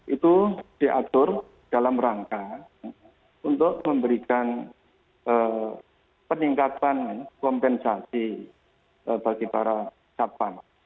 itu diatur dalam rangka untuk memberikan peningkatan kompensasi bagi para satpam